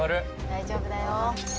大丈夫だよ。